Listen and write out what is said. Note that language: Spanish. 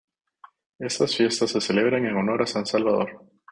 Estas fiestas se celebran en honor a San Salvador.